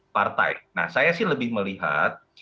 partai nah saya sih lebih melihat